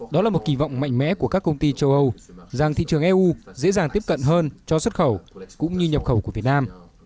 đó là một kỳ vọng mạnh mẽ của các công ty châu âu rằng thị trường eu dễ dàng tiếp cận hơn cho xuất khẩu cũng như nhập khẩu của việt nam